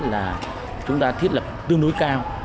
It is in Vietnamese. là chúng ta thiết lập tương đối cao